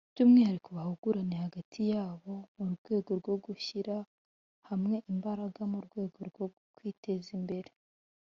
by’umwihariko bahugurane hagati yabo mu rwego rwo gushyira hamwe imbaraga mu rwego rwo kwiteza imbere